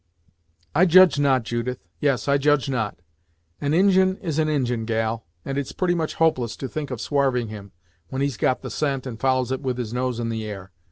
"I judge not, Judith; yes, I judge not. An Injin is an Injin, gal, and it's pretty much hopeless to think of swarving him, when he's got the scent and follows it with his nose in the air.